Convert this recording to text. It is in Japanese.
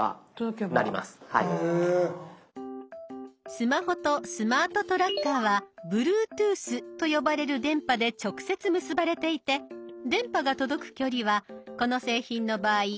スマホとスマートトラッカーはＢｌｕｅｔｏｏｔｈと呼ばれる電波で直接結ばれていて電波が届く距離はこの製品の場合およそ１００メートルです。